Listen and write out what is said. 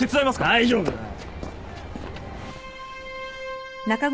大丈夫だよ！